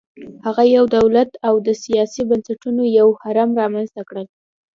هغه یو دولت او د سیاسي بنسټونو یو هرم رامنځته کړل